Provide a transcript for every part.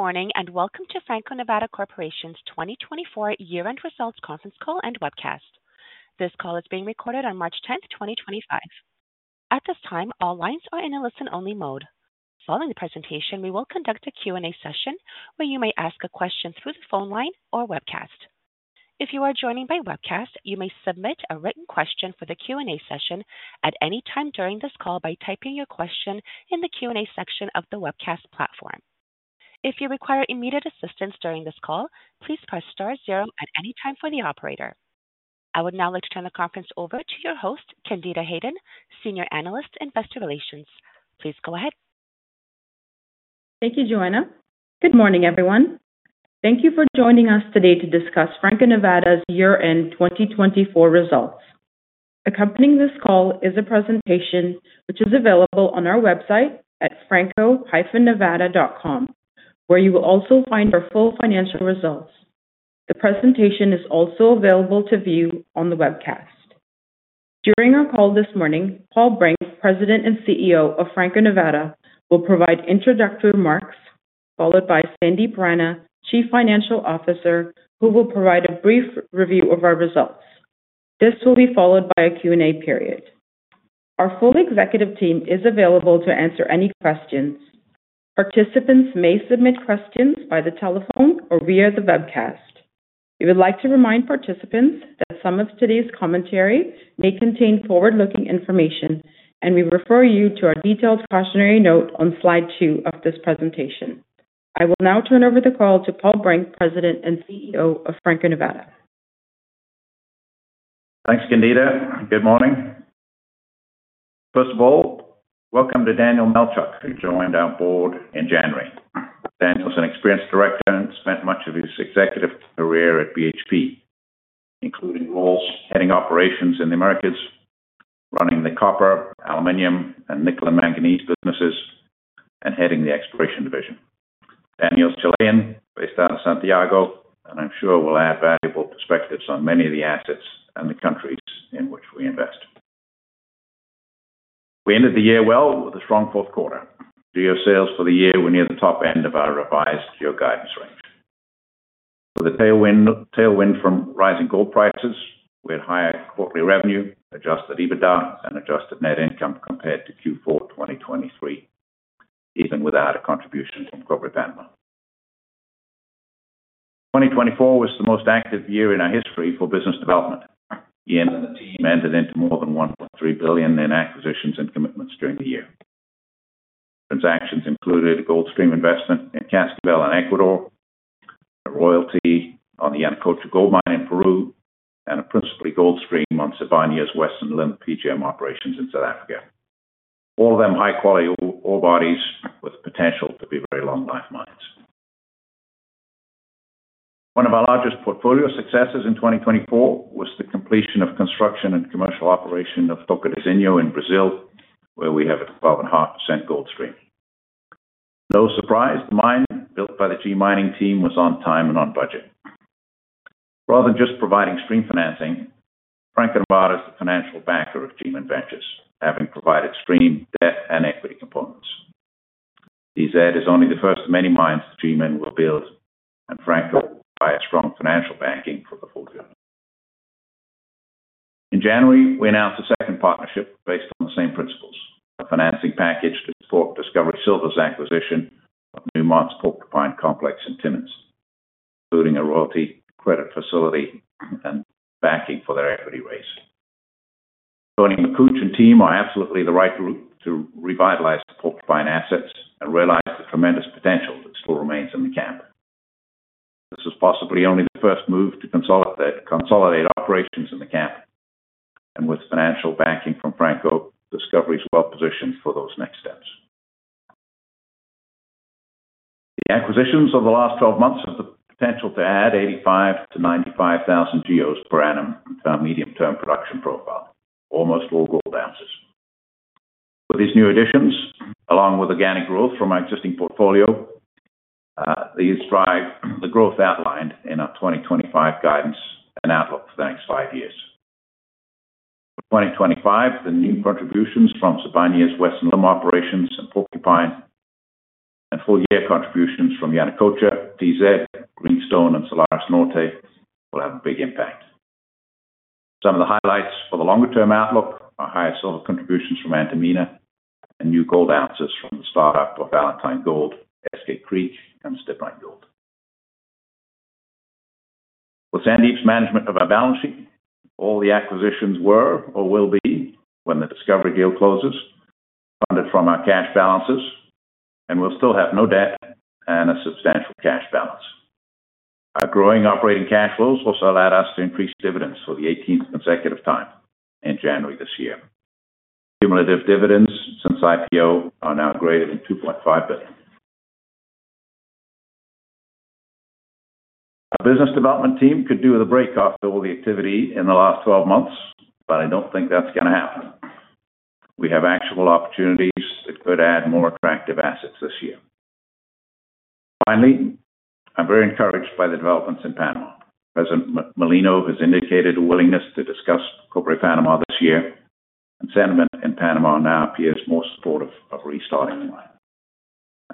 Good morning and welcome to Franco-Nevada Corporation's 2024 Year-End Results Conference Call and Webcast. This call is being recorded on March 10th, 2025. At this time, all lines are in a listen-only mode. Following the presentation, we will conduct a Q&A session where you may ask a question through the phone line or webcast. If you are joining by webcast, you may submit a written question for the Q&A session at any time during this call by typing your question in the Q&A section of the webcast platform. If you require immediate assistance during this call, please press star zero at any time for the operator. I would now like to turn the conference over to your host, Candida Hayden, Senior Analyst in Vesta Relations. Please go ahead. Thank you, Joanna. Good morning, everyone. Thank you for joining us today to discuss Franco-Nevada's Year-End 2024 results. Accompanying this call is a presentation which is available on our website at franco-nevada.com, where you will also find our full financial results. The presentation is also available to view on the webcast. During our call this morning, Paul Brink, President and CEO of Franco-Nevada, will provide introductory remarks, followed by Sandip Rana, Chief Financial Officer, who will provide a brief review of our results. This will be followed by a Q&A period. Our full executive team is available to answer any questions. Participants may submit questions by the telephone or via the webcast. We would like to remind participants that some of today's commentary may contain forward-looking information, and we refer you to our detailed cautionary note on slide two of this presentation. I will now turn over the call to Paul Brink, President and CEO of Franco-Nevada. Thanks, Candida. Good morning. First of all, welcome to Daniel Melchuk, who joined our board in January. Daniel's an experienced director and spent much of his executive career at BHP, including roles heading operations in the Americas, running the copper, aluminum, and nickel and manganese businesses, and heading the exploration division. Daniel's Chilean, based out of Santiago, and I'm sure will add valuable perspectives on many of the assets and the countries in which we invest. We ended the year well with a strong fourth quarter. GEO sales for the year were near the top end of our revised GEO guidance range. With a tailwind from rising gold prices, we had higher quarterly revenue, adjusted EBITDA, and adjusted net income compared to Q4 2023, even without a contribution from Cobre Panama. 2024 was the most active year in our history for business development. and the team entered into more than $1.3 billion in acquisitions and commitments during the year. Transactions included gold stream investment in Cascabel in Ecuador, a royalty on the Yanacocha gold mine in Peru, and a principal gold stream on Sibanye-Stillwater's Western Limb PGM operations in South Africa. All of them high-quality ore bodies with potential to be very long-life mines. One of our largest portfolio successes in 2024 was the completion of construction and commercial operation of Tocantinzinho in Brazil, where we have a 12.5% gold stream. No surprise, the mine built by the G Mining team was on time and on budget. Rather than just providing stream financing, Franco-Nevada is the financial backer of G Mining Ventures, having provided stream, debt, and equity components. This is only the first of many mines that G Mining will build, and Franco will provide strong financial backing for the full journey. In January, we announced a second partnership based on the same principles, a financing package to support Discovery Silver's acquisition of Newmont's Porcupine Complex in Timmins, including a royalty credit facility and backing for their equity raise. Tony McCooch and team are absolutely the right group to revitalize the Porcupine assets and realize the tremendous potential that still remains in the camp. This is possibly only the first move to consolidate operations in the camp, and with financial backing from Franco-Nevada, Discovery is well positioned for those next steps. The acquisitions of the last 12 months have the potential to add 85,000-95,000 GEOs per annum for a medium-term production profile, almost all gold ounces. With these new additions, along with organic growth from our existing portfolio, these drive the growth outlined in our 2025 guidance and outlook for the next five years. For 2025, the new contributions from Sibanye-Stillwater's Western Limb operations and Porcupine, and full-year contributions from Yanacocha, Tocantinzinho, Greenstone, and Solaris Norte will have a big impact. Some of the highlights for the longer-term outlook are higher silver contributions from Antamina and new gold ounces from the startup of Valentine Gold, Escape Creek, and Stibnite Gold. With Sandip's management of our balance sheet, all the acquisitions were or will be when the Discovery deal closes, funded from our cash balances, and we'll still have no debt and a substantial cash balance. Our growing operating cash flows will allow us to increase dividends for the 18th consecutive time in January this year. Cumulative dividends since IPO are now greater than $2.5 billion. Our business development team could do with a break after all the activity in the last 12 months, but I don't think that's going to happen. We have actual opportunities that could add more attractive assets this year. Finally, I'm very encouraged by the developments in Panama. President Molino has indicated a willingness to discuss Cobre Panama this year, and sentiment in Panama now appears more supportive of restarting the mine.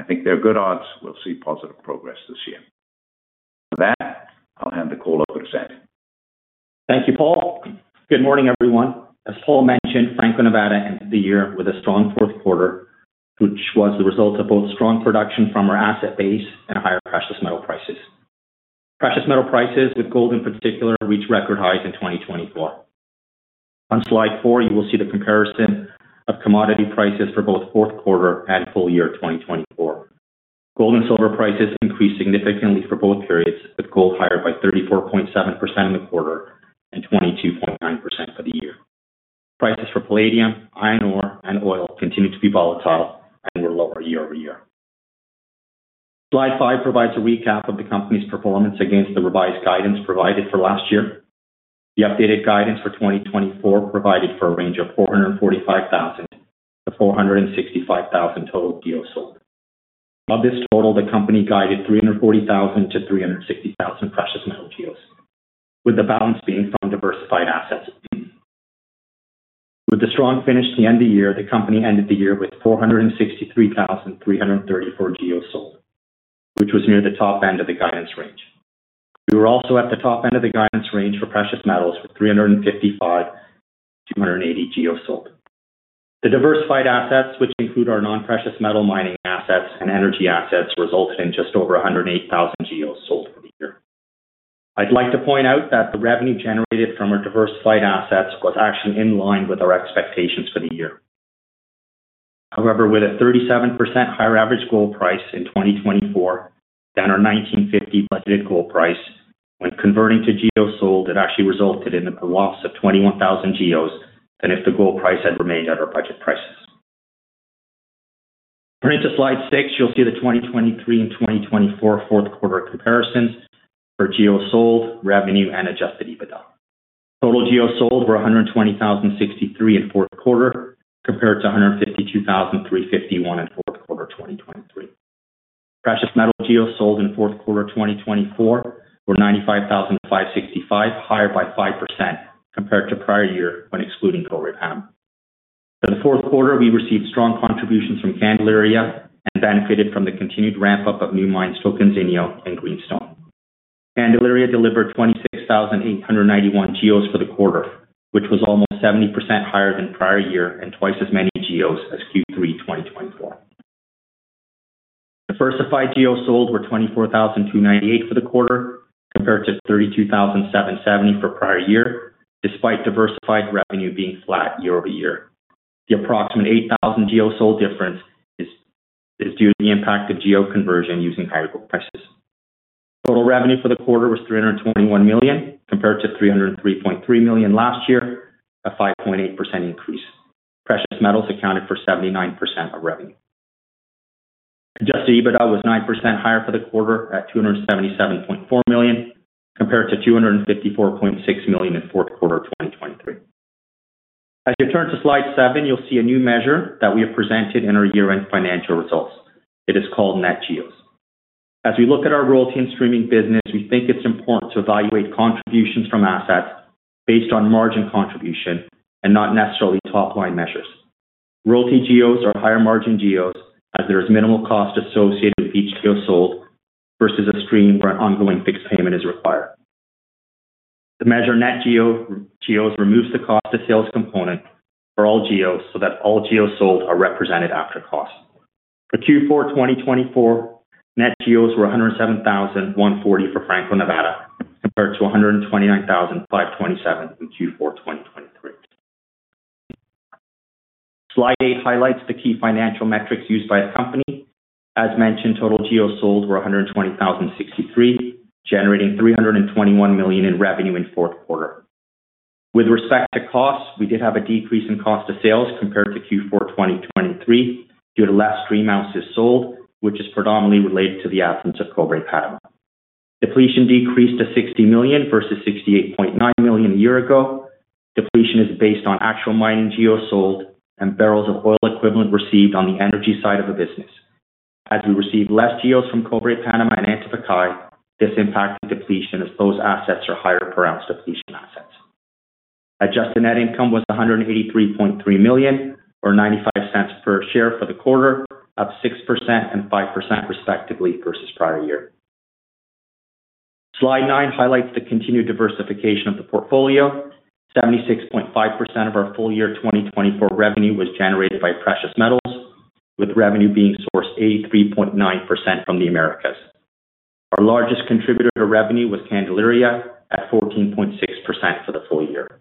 I think there are good odds we'll see positive progress this year. With that, I'll hand the call over to Sandip. Thank you, Paul. Good morning, everyone. As Paul mentioned, Franco-Nevada ended the year with a strong fourth quarter, which was the result of both strong production from our asset base and higher precious metal prices. Precious metal prices, with gold in particular, reached record highs in 2024. On slide four, you will see the comparison of commodity prices for both fourth quarter and full year 2024. Gold and silver prices increased significantly for both periods, with gold higher by 34.7% in the quarter and 22.9% for the year. Prices for palladium, iron ore, and oil continue to be volatile and were lower year over year. Slide five provides a recap of the company's performance against the revised guidance provided for last year. The updated guidance for 2024 provided for a range of 445,000-465,000 total GEOs sold. Of this total, the company guided 340,000-360,000 precious metal GEOs, with the balance being from diversified assets. With a strong finish to the end of the year, the company ended the year with 463,334 GEOs sold, which was near the top end of the guidance range. We were also at the top end of the guidance range for precious metals with 355,280 GEOs sold. The diversified assets, which include our non-precious metal mining assets and energy assets, resulted in just over 108,000 GEOs sold for the year. I'd like to point out that the revenue generated from our diversified assets was actually in line with our expectations for the year. However, with a 37% higher average gold price in 2024 than our $1,950 budgeted gold price, when converting to GEOs sold, it actually resulted in a loss of 21,000 GEOs than if the gold price had remained at our budget prices. Turning to slide six, you'll see the 2023 and 2024 fourth quarter comparisons for GEOs sold, revenue, and adjusted EBITDA. Total GEOs sold were 120,063 in fourth quarter, compared to 152,351 in fourth quarter 2023. Precious metal GEOs sold in fourth quarter 2024 were 95,565, higher by 5% compared to prior year when excluding Gold Rate Panel. For the fourth quarter, we received strong contributions from Candelaria and benefited from the continued ramp-up of new mines Tocantinzinho and Greenstone. Candelaria delivered 26,891 GEOs for the quarter, which was almost 70% higher than prior year and twice as many GEOs as Q3 2024. Diversified GEOs sold were 24,298 for the quarter, compared to 32,770 for prior year, despite diversified revenu e being flat year over year. The approximate 8,000 GEOs sold difference is due to the impact of GEO conversion using higher gold prices. Total revenue for the quarter was $321 million, compared to $303.3 million last year, a 5.8% increase. Precious metals accounted for 79% of revenue. Adjusted EBITDA was 9% higher for the quarter at $277.4 million, compared to $254.6 million in fourth quarter 2023. As you turn to slide seven, you'll see a new measure that we have presented in our year-end financial results. It is called net GEOs. As we look at our royalty and streaming business, we think it's important to evaluate contributions from assets based on margin contribution and not necessarily top-line measures. Royalty GEOs are higher margin GEOs as there is minimal cost associated with each GEO sold versus a stream where an ongoing fixed payment is required. The measure net GEOs removes the cost-to-sales component for all GEOs so that all GEOs sold are represented after cost. For Q4 2024, net GEOs were 107,140 for Franco-Nevada, compared to 129,527 in Q4 2023. Slide eight highlights the key financial metrics used by the company. As mentioned, total GEOs sold were 120,063, generating $321 million in revenue in fourth quarter. With respect to costs, we did have a decrease in cost-to-sales compared to Q4 2023 due to less stream ounces sold, which is predominantly related to the absence of Cobre Panama. Depletion decreased to $60 million versus $68.9 million a year ago. Depletion is based on actual mining GEOs sold and barrels of oil equivalent received on the energy side of the business. As we received less GEOs from Cobre Panama and Antapaccay, this impacted depletion as those assets are higher per ounce depletion assets. Adjusted net income was $183.3 million, or $0.95 per share for the quarter, up 6% and 5% respectively versus prior year. Slide nine highlights the continued diversification of the portfolio. 76.5% of our full year 2024 revenue was generated by precious metals, with revenue being sourced 83.9% from the Americas. Our largest contributor to revenue was Candelaria at 14.6% for the full year.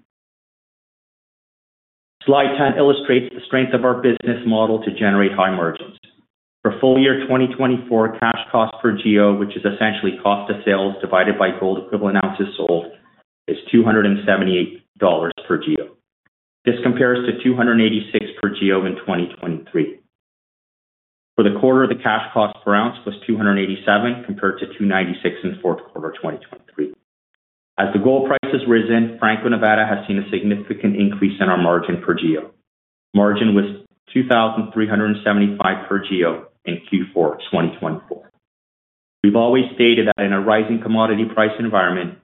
Slide 10 illustrates the strength of our business model to generate high margins. For full year 2024, cash cost per GEO, which is essentially cost-to-sales divided by gold equivalent ounces sold, is $278 per GEO. This compares to $286 per GEO in 2023. For the quarter, the cash cost per ounce was $287 compared to $296 in fourth quarter 2023. As the gold price has risen, Franco-Nevada has seen a significant increase in our margin per GEO. Margin was $2,375 per GEO in Q4 2024. We've always stated that in a rising commodity price environment,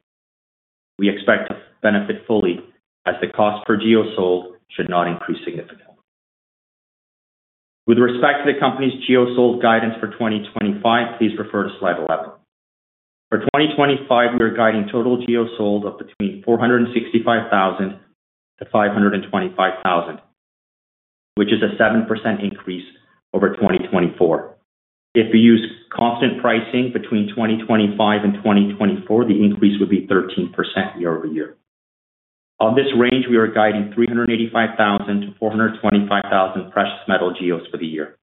we expect to benefit fully as the cost per GEO sold should not increase significantly. With respect to the company's GEO sold guidance for 2025, please refer to slide 11. For 2025, we are guiding total GEO sold of between 465,000-525,000, which is a 7% increase over 2024. If we use constant pricing between 2025 and 2024, the increase would be 13% year over year. Of this range, we are guiding 385,000-425,000 precious metal GEOs for the year.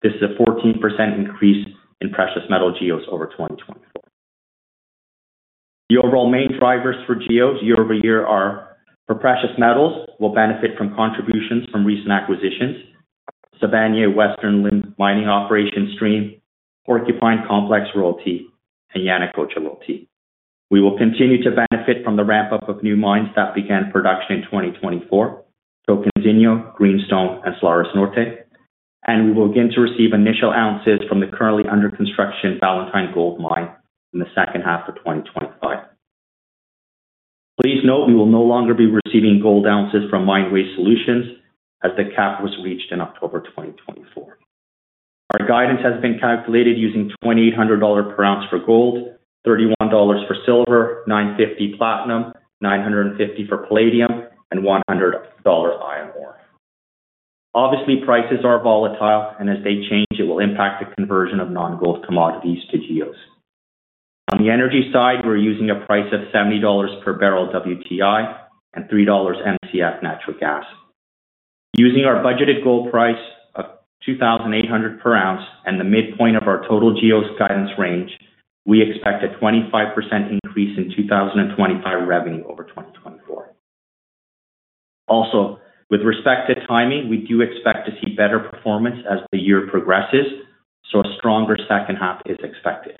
This is a 14% increase in precious metal GEOs over 2024. The overall main drivers for GEOs year over year are for precious metals, will benefit from contributions from recent acquisitions: Sibanye-Stillwater Western Limb mining operation stream, Porcupine Complex royalty, and Yanacocha royalty. We will continue to benefit from the ramp-up of new mines that began production in 2024: Tocantinzinho, Greenstone, and Solaris Norte. We will begin to receive initial ounces from the currently under construction Valentine Gold mine in the second half of 2025. Please note we will no longer be receiving gold ounces from Minewave Solutions as the cap was reached in October 2024. Our guidance has been calculated using $2,800 per ounce for gold, $31 for silver, $950 platinum, $950 for palladium, and $100 iron ore. Obviously, prices are volatile, and as they change, it will impact the conversion of non-gold commodities to GEOs. On the energy side, we're using a price of $70 per barrel WTI and $3 MCF natural gas. Using our budgeted gold price of $2,800 per ounce and the midpoint of our total GEOs guidance range, we expect a 25% increase in 2025 revenue over 2024. Also, with respect to timing, we do expect to see better performance as the year progresses, so a stronger second half is expected.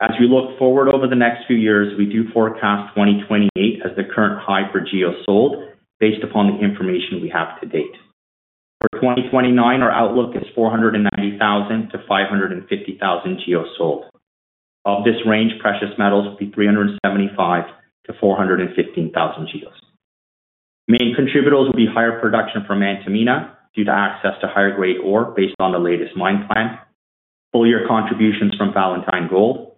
As we look forward over the next few years, we do forecast 2028 as the current high for GEOs sold based upon the information we have to date. For 2029, our outlook is 490,000-550,000 GEOs sold. Of this range, precious metals will be 375,000-415,000 GEOs. Main contributors will be higher production from Antamina due to access to higher-grade ore based on the latest mine plan, full-year contributions from Valentine Gold,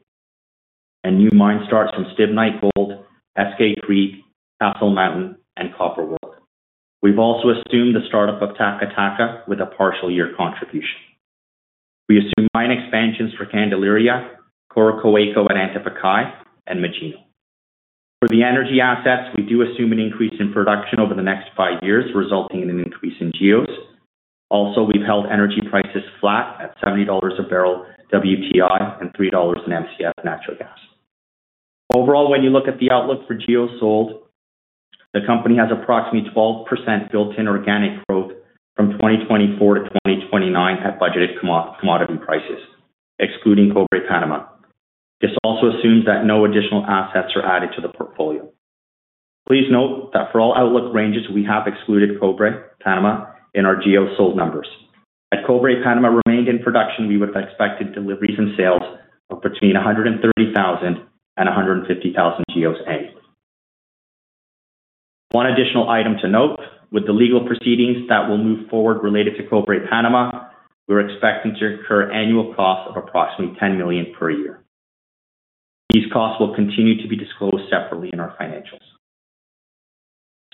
and new mine starts from Stibnite Gold, Escape Creek, Castle Mountain, and Copper World. We've also assumed the startup of Taka Taka with a partial year contribution. We assume mine expansions for Candelaria, Coroccohuayco, and Antapaccay, and Magino. For the energy assets, we do assume an increase in production over the next five years, resulting in an increase in GEOs. Also, we've held energy prices flat at $70 a barrel WTI and $3 in MCF natural gas. Overall, when you look at the outlook for GEOs sold, the company has approximately 12% built-in organic growth from 2024 to 2029 at budgeted commodity prices, excluding Cobre Panama. This also assumes that no additional assets are added to the portfolio. Please note that for all outlook ranges, we have excluded Cobre Panama in our GEO sold numbers. Had Cobre Panama remained in production, we would have expected deliveries and sales of between 130,000 and 150,000 GEOs annually. One additional item to note: with the legal proceedings that will move forward related to Cobre Panama, we're expecting to incur annual costs of approximately $10 million per year. These costs will continue to be disclosed separately in our financials.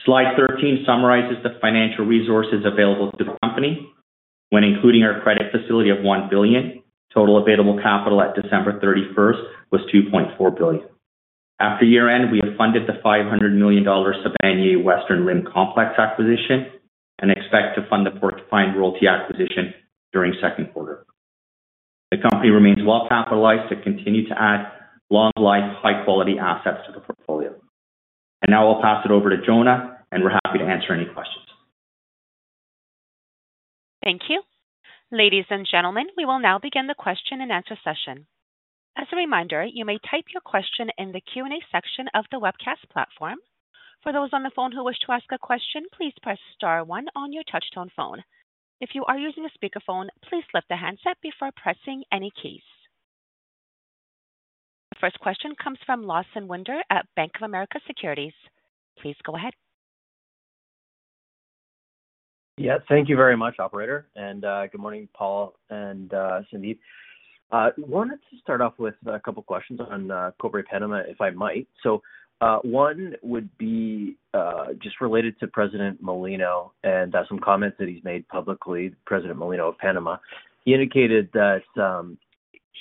Slide 13 summarizes the financial resources available to the company. When including our credit facility of $1 billion, total available capital at December 31 was $2.4 billion. After year-end, we have funded the $500 million Sibanye Western Limb complex acquisition and expect to fund the Porcupine royalty acquisition during second quarter. The company remains well capitalized to continue to add long-life, high-quality assets to the portfolio. Now I'll pass it over to Jonah, and we're happy to answer any questions. Thank you. Ladies and gentlemen, we will now begin the question and answer session. As a reminder, you may type your question in the Q&A section of the webcast platform. For those on the phone who wish to ask a question, please press star one on your touchtone phone. If you are using a speakerphone, please lift the handset before pressing any keys. The first question comes from Lawson Winder at Bank of America Securities. Please go ahead. Yeah, thank you very much, Operator. Good morning, Paul and Sandip. I wanted to start off with a couple of questions on Cobre Panama, if I might. One would be just related to President Mulino and some comments that he's made publicly. President Molino of Panama, he indicated that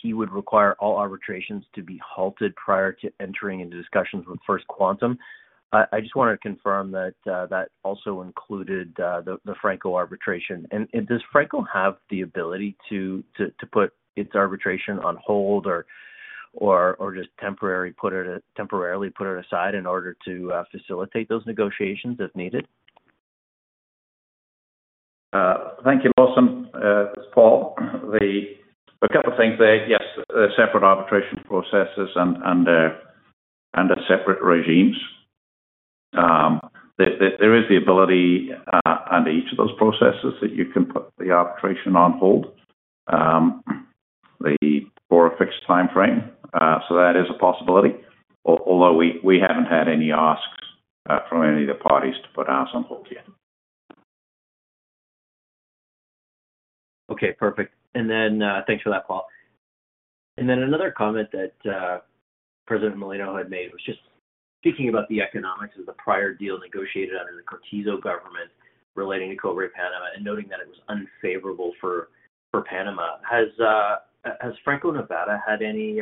he would require all arbitrations to be halted prior to entering into discussions with First Quantum. I just want to confirm that that also included the Franco arbitration. And does Franco have the ability to put its arbitration on hold or just temporarily put it aside in order to facilitate those negotiations if needed? Thank you, Lawson. That's Paul. A couple of things there. Yes, separate arbitration processes and separate regimes. There is the ability under each of those processes that you can put the arbitration on hold for a fixed time frame. That is a possibility, although we haven't had any asks from any of the parties to put ours on hold yet. Okay, perfect. And then thanks for that, Paul. Another comment that President Molino had made was just speaking about the economics of the prior deal negotiated under the Cortizo government relating to Cobre Panama and noting that it was unfavorable for Panama. Has Franco-Nevada had any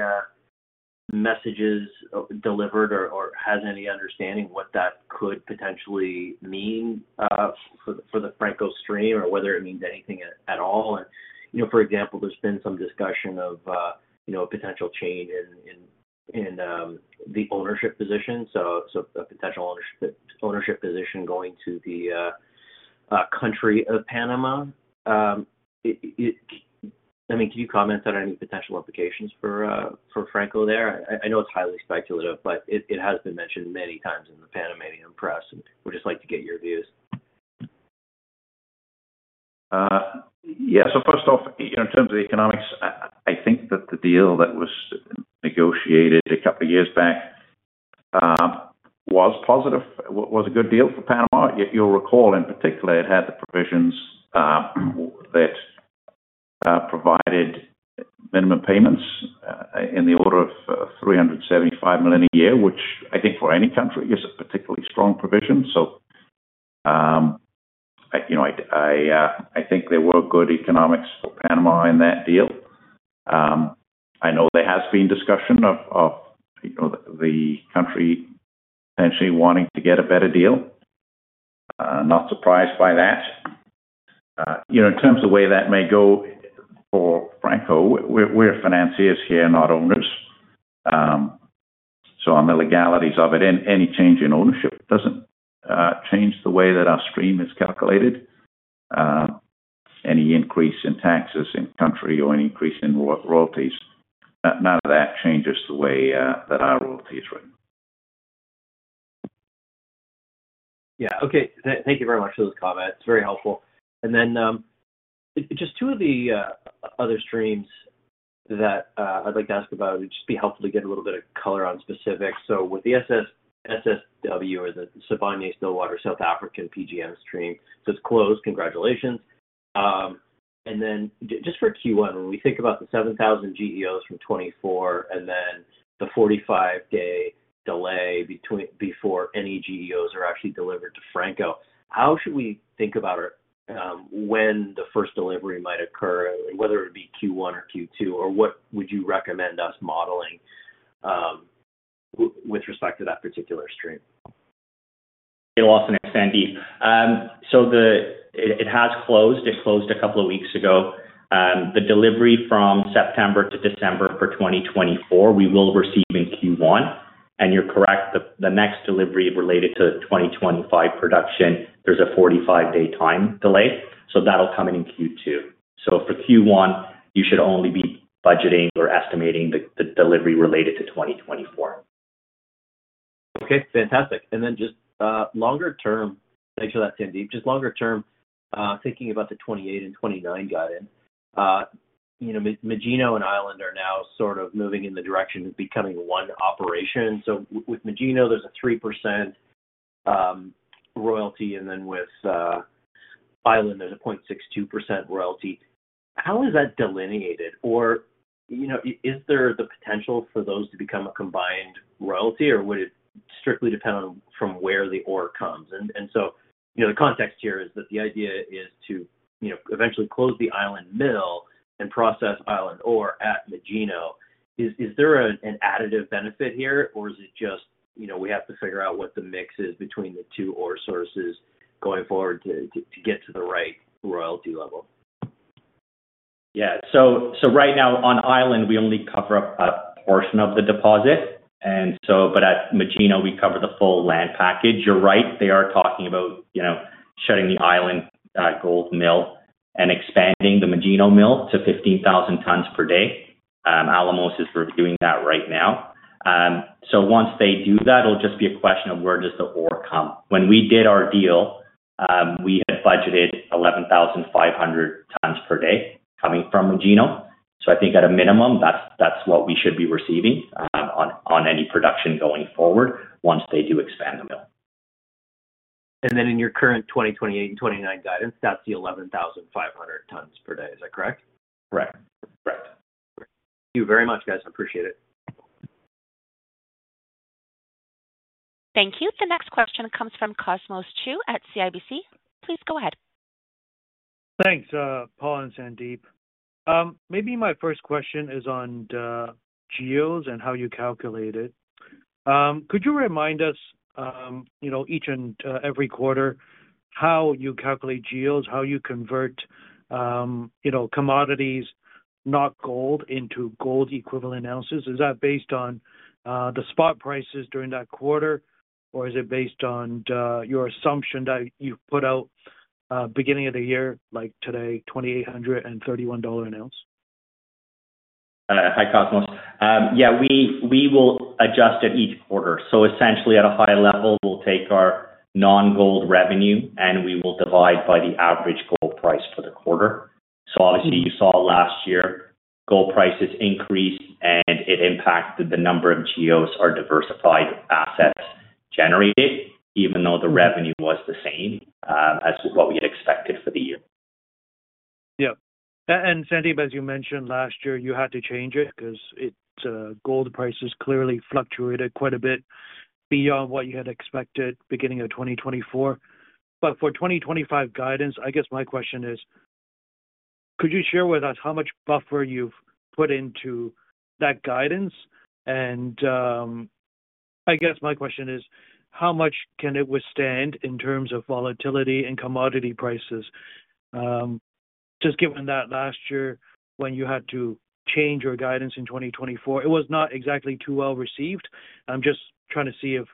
messages delivered or has any understanding what that could potentially mean for the Franco stream or whether it means anything at all? For example, there's been some discussion of a potential change in the ownership position, so a potential ownership position going to the country of Panama. I mean, can you comment on any potential implications for Franco there? I know it's highly speculative, but it has been mentioned many times in the Panamanian press. We'd just like to get your views. Yeah, so first off, in terms of the economics, I think that the deal that was negotiated a couple of years back was positive, was a good deal for Panama. You'll recall, in particular, it had the provisions that provided minimum payments in the order of $375 million a year, which I think for any country is a particularly strong provision. I think there were good economics for Panama in that deal. I know there has been discussion of the country potentially wanting to get a better deal. Not surprised by that. In terms of where that may go for Franco-Nevada, we're financiers here, not owners. On the legalities of it, any change in ownership doesn't change the way that our stream is calculated. Any increase in taxes in country or any increase in royalties, none of that changes the way that our royalty is written. Yeah, okay. Thank you very much for those comments. Very helpful. Just two of the other streams that I'd like to ask about, it'd just be helpful to get a little bit of color on specifics. With the SSW or the Sibanye-Stillwater South African PGM stream, it is closed. Congratulations. For Q1, when we think about the 7,000 GEOs from 2024 and then the 45-day delay before any GEOs are actually delivered to Franco-Nevada, how should we think about when the first delivery might occur, whether it would be Q1 or Q2, or what would you recommend us modeling with respect to that particular stream? Lawson its Sandip. It has closed. It closed a couple of weeks ago. The delivery from September to December for 2024, we will receive in Q1. You're correct, the next delivery related to 2025 production, there's a 45-day time delay. That will come in in Q2. For Q1, you should only be budgeting or estimating the delivery related to 2024. Okay, fantastic. Just longer-term, thanks for that, Sandip. Just longer-term, thinking about the 2028 and 2029 guidance, Magino and Island are now sort of moving in the direction of becoming one operation. With Magino, there's a 3% royalty, and then with Island, there's a 0.62% royalty. How is that delineated? Is there the potential for those to become a combined royalty, or would it strictly depend on from where the ore comes? The context here is that the idea is to eventually close the Island mill and process Island ore at Magino. Is there an additive benefit here, or is it just we have to figure out what the mix is between the two ore sources going forward to get to the right royalty level?. Yeah, so right now on Island, we only cover a portion of the deposit. And at Magino, we cover the full land package. You're right. They are talking about shutting the Island Gold mill and expanding the Magino mill to 15,000 tons per day. Alamos is reviewing that right now. Once they do that, it'll just be a question of where does the ore come. When we did our deal, we had budgeted 11,500 tons per day coming from Magino. I think at a minimum, that's what we should be receiving on any production going forward once they do expand the mill. In your current 2028 and 2029 guidance, that is the 11,500 tons per day. Is that correct? Correct. Correct. Thank you very much, guys. I appreciate it. Thank you. The next question comes from Cosmos Chu at CIBC. Please go ahead. Thanks, Paul and Sandip. Maybe my first question is on GEOs and how you calculate it. Could you remind us each and every quarter how you calculate GEOs, how you convert commodities, not gold, into gold equivalent ounces? Is that based on the spot prices during that quarter, or is it based on your assumption that you have put out beginning of the year, like today, $2,800 and $31 an ounce? Hi, Cosmos. Yeah, we will adjust at each quarter. Essentially, at a high level, we will take our non-gold revenue, and we will divide by the average gold price for the quarter. Obviously, you saw last year gold prices increased, and it impacted the number of GEOs or diversified assets generated, even though the revenue was the same as what we had expected for the year. Yeah. And Sandip, as you mentioned last year, you had to change it because gold prices clearly fluctuated quite a bit beyond what you had expected beginning of 2024. For 2025 guidance, I guess my question is, could you share with us how much buffer you've put into that guidance? I guess my question is, how much can it withstand in terms of volatility and commodity prices? Just given that last year when you had to change your guidance in 2024, it was not exactly too well received. I'm just trying to see if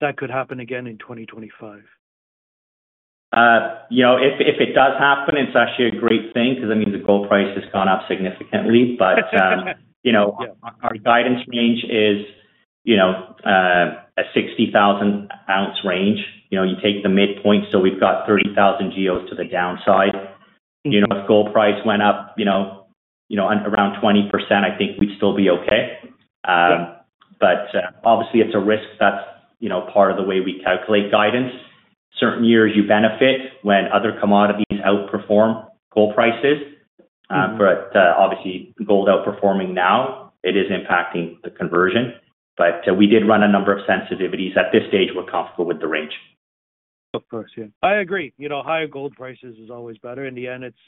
that could happen again in 2025. If it does happen, it's actually a great thing because that means the gold price has gone up significantly. But our guidance range is a 60,000-ounce range. You take the midpoint, so we've got 30,000 GEOs to the downside. If gold price went up around 20%, I think we'd still be okay. But obviously, it's a risk that's part of the way we calculate guidance. Certain years, you benefit when other commodities outperform gold prices. But obviously, gold outperforming now, it is impacting the conversion. But we did run a number of sensitivities. At this stage, we're comfortable with the range. Of course. Yeah. I agree. Higher gold prices is always better. In the end, it's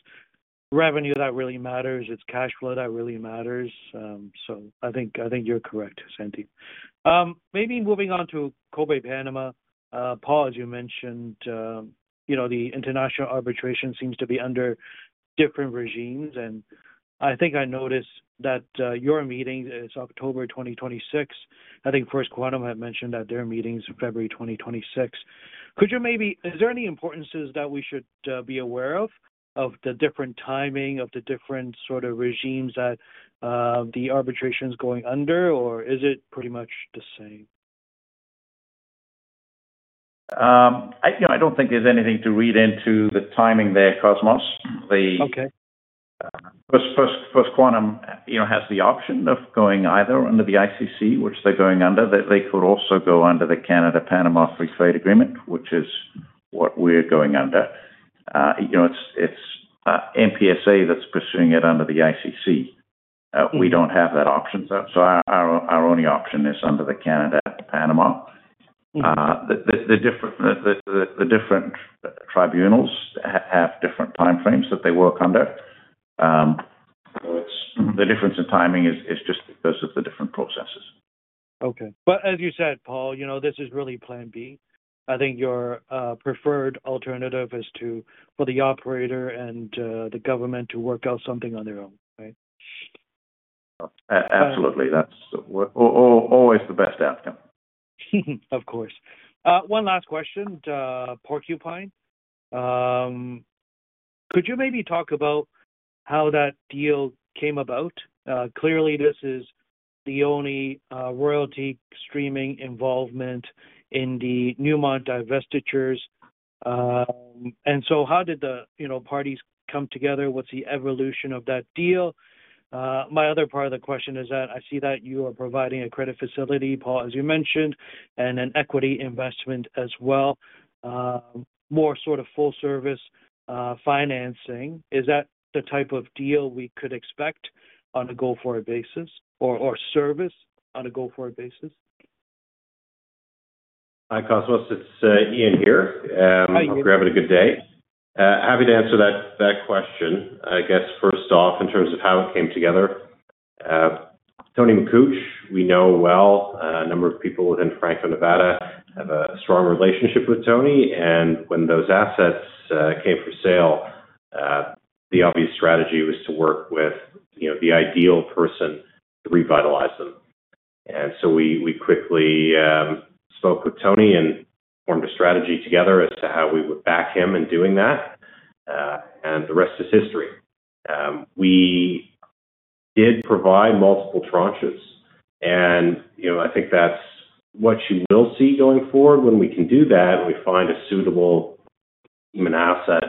revenue that really matters. It's cash flow that really matters. I think you're correct, Sandip. Maybe moving on to Cobre Panama. Paul, as you mentioned, the international arbitration seems to be under different regimes. I think I noticed that your meeting is October 2026. I think First Quantum had mentioned that their meeting is February 2026. Could you maybe—is there any importances that we should be aware of, of the different timing, of the different sort of regimes that the arbitration is going under, or is it pretty much the same? I do not think there is anything to read into the timing there, Cosmos. First Quantum has the option of going either under the ICC, which they are going under. They could also go under the Canada-Panama Free Trade Agreement, which is what we are going under. It is MPSA that is pursuing it under the ICC. We do not have that option. Our only option is under the Canada-Panama. The different tribunals have different timeframes that they work under. The difference in timing is just because of the different processes. Okay. But as you said, Paul, this is really plan B. I think your preferred alternative is for the operator and the government to work out something on their own, right? Absolutely. That's always the best outcome. Of course. One last question, would you mind. Could you maybe talk about how that deal came about? Clearly, this is the only royalty streaming involvement in the Newmont divestitures. And so how did the parties come together? What's the evolution of that deal? My other part of the question is that I see that you are providing a credit facility, Paul, as you mentioned, and an equity investment as well, more sort of full-service financing. Is that the type of deal we could expect on a go-forward basis or service on a go-forward basis? Hi, Cosmos. It's Eaun here. Hi, Eaun. Hope you're having a good day. Happy to answer that question. I guess, first off, in terms of how it came together, Tony McCooch, we know well. A number of people within Franco-Nevada have a strong relationship with Tony. When those assets came for sale, the obvious strategy was to work with the ideal person to revitalize them. We quickly spoke with Tony and formed a strategy together as to how we would back him in doing that. The rest is history. We did provide multiple tranches. I think that's what you will see going forward. When we can do that, we find a suitable human asset,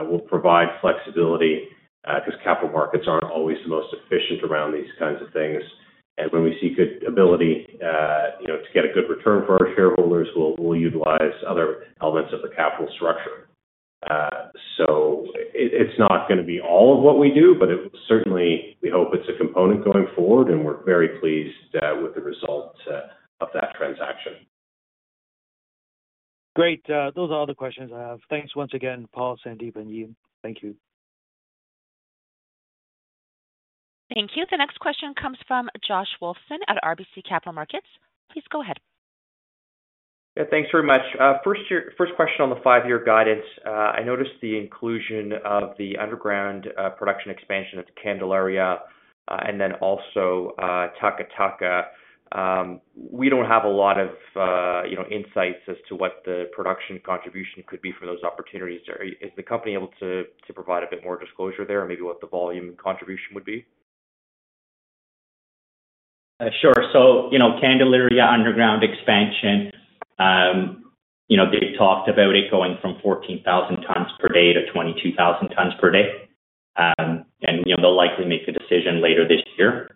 we'll provide flexibility because capital markets aren't always the most efficient around these kinds of things. When we see good ability to get a good return for our shareholders, we'll utilize other elements of the capital structure. It is not going to be all of what we do, but certainly, we hope it is a component going forward. We are very pleased with the result of that transaction. Great. Those are all the questions I have. Thanks once again, Paul, Sandip, and Eaun. Thank you. Thank you. The next question comes from Josh Wilson at RBC Capital Markets. Please go ahead. Yeah, thanks very much. First question on the five-year guidance. I noticed the inclusion of the underground production expansion at Candelaria and then also Taka Taka. We do not have a lot of insights as to what the production contribution could be for those opportunities. Is the company able to provide a bit more disclosure there and maybe what the volume contribution would be? Sure. Candelaria underground expansion, they have talked about it going from 14,000 tons per day to 22,000 tons per day. They will likely make a decision later this year.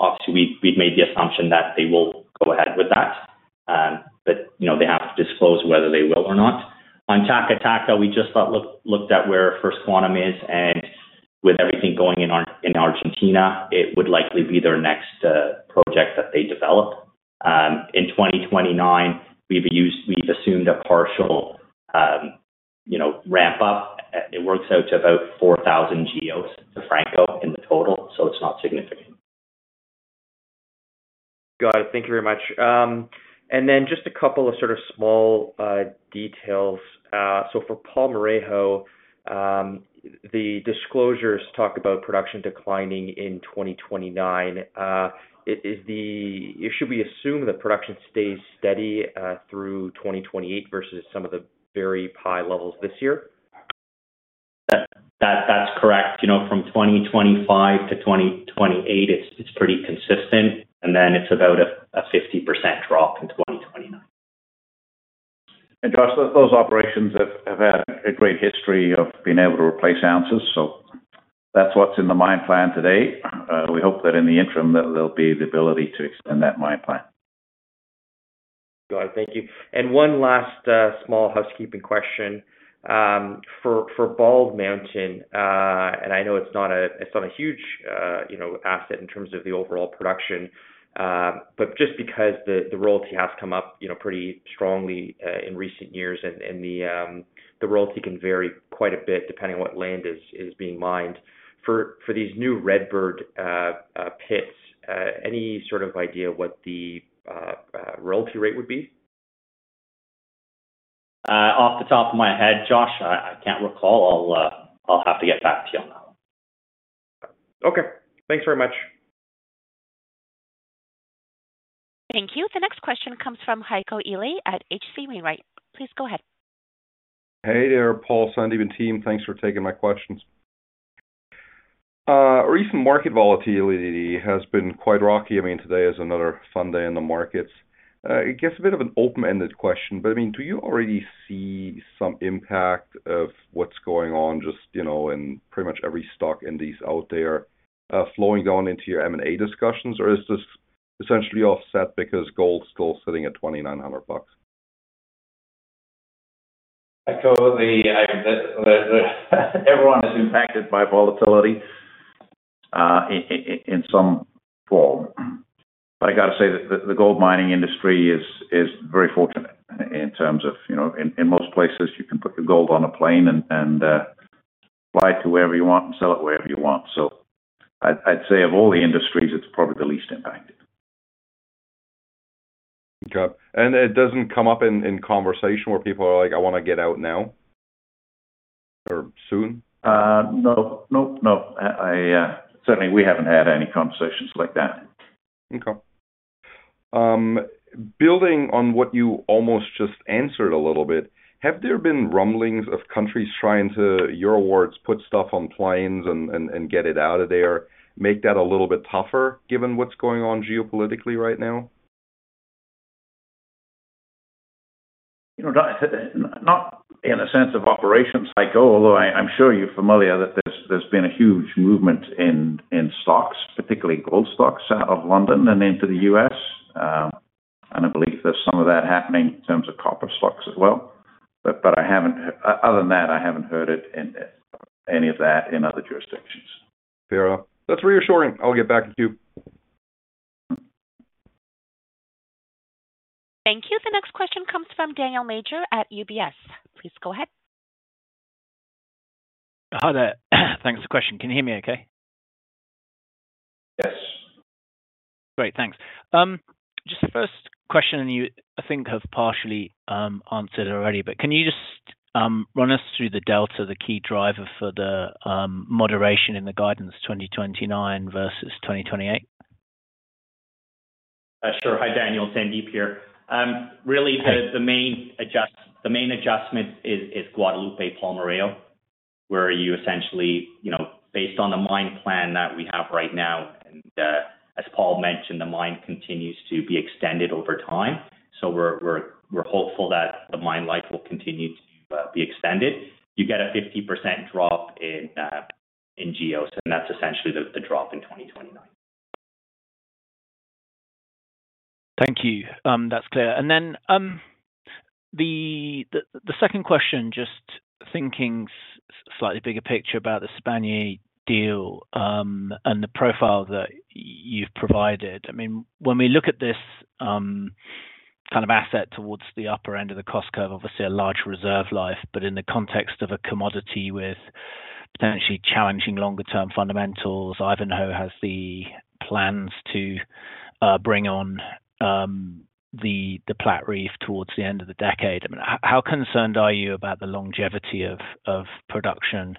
Obviously, we've made the assumption that they will go ahead with that, but they have to disclose whether they will or not. On Taka Taka, we just looked at where First Quantum is, and with everything going in Argentina, it would likely be their next project that they develop. In 2029, we've assumed a partial ramp-up. It works out to about 4,000 GEOs to Franco-Nevada in total, so it's not significant. Got it. Thank you very much. Just a couple of sort of small details. For Palmarejo, the disclosures talk about production declining in 2029. Should we assume that production stays steady through 2028 versus some of the very high levels this year? That's correct. From 2025 to 2028, it's pretty consistent, and then it's about a 50% drop in 2029. Josh, those operations have had a great history of being able to replace ounces. That is what is in the mine plan today. We hope that in the interim, there will be the ability to extend that mine plan. Got it. Thank you. One last small housekeeping question. For Bald Mountain, and I know it is not a huge asset in terms of the overall production, but just because the royalty has come up pretty strongly in recent years, and the royalty can vary quite a bit depending on what land is being mined. For these new Redbird pits, any sort of idea what the royalty rate would be? Off the top of my head, Josh, I cannot recall. I will have to get back to you on that one. Okay. Thanks very much. Thank you. The next question comes from Heiko Ihle at HC Wainwright. Please go ahead. Hey there, Paul, Sandip, and team. Thanks for taking my questions. Recent market volatility has been quite rocky. I mean, today is another fun day in the markets. It gets a bit of an open-ended question. I mean, do you already see some impact of what's going on just in pretty much every stock index out there flowing down into your M&A discussions? Is this essentially offset because gold's still sitting at $2,900? Everyone is impacted by volatility in some form. I got to say that the gold mining industry is very fortunate in terms of in most places, you can put your gold on a plane and fly it to wherever you want and sell it wherever you want. I'd say of all the industries, it's probably the least impacted. Good job. It does not come up in conversation where people are like, "I want to get out now or soon"? No. Nope. No. Certainly, we have not had any conversations like that. Okay. Building on what you almost just answered a little bit, have there been rumblings of countries trying to, your words, put stuff on planes and get it out of there, make that a little bit tougher given what is going on geopolitically right now? Not in a sense of operations cycle, although I am sure you are familiar that there has been a huge movement in stocks, particularly gold stocks, out of London and into the US. I believe there is some of that happening in terms of copper stocks as well. Other than that, I have not heard of any of that in other jurisdictions. Fair enough. That is reassuring. I will get back to you. Thank you. The next question comes from Daniel Major at UBS. Please go ahead. Hi, there. Thanks for the question. Can you hear me okay? Yes. Great. Thanks. Just the first question, and you I think have partially answered already, but can you just run us through the delta, the key driver for the moderation in the guidance 2029 versus 2028? Sure. Hi, Daniel. Sandip here. Really, the main adjustment is Guadalupe-Palmarejo, where you essentially, based on the mine plan that we have right now, and as Paul mentioned, the mine continues to be extended over time. You know, we're hopeful that the mine life will continue to be extended. You get a 50% drop in GEOs. And that's essentially the drop in 2029. Thank you. That's clear. And then the second question, just thinking slightly bigger picture about the Sibanye deal and the profile that you've provided. I mean, when we look at this kind of asset towards the upper end of the cost curve, obviously a large reserve life, but in the context of a commodity with potentially challenging longer-term fundamentals, Ivanhoe has the plans to bring on the Platreef towards the end of the decade. I mean, how concerned are you about the longevity of production